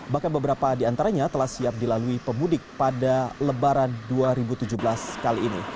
bahkan beberapa di antaranya telah siap dilalui pemudik pada lebaran dua ribu tujuh belas kali ini